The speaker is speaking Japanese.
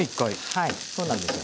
はいそうなんですよ。